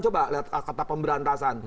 coba lihat kata pemberantasan